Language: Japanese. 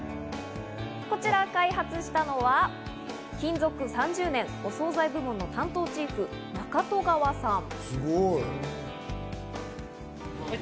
こちら開発したのは勤続３０年、お総菜部門の担当チーフ・中戸川さん。